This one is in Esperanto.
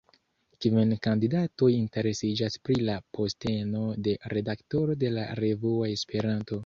Kvin kandidatoj interesiĝas pri la posteno de redaktoro de la revuo Esperanto.